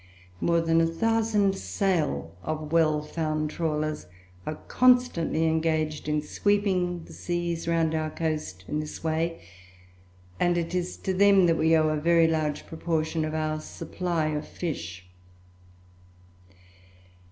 More than a thousand sail of well found trawlers are constantly engaged in sweeping the seas around our coast in this way, and it is to them that we owe a very large proportion of our supply of fish.